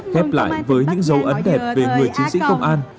khép lại với những dấu ấn đẹp về người chiến sĩ công an